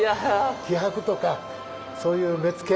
気迫とかそういう目付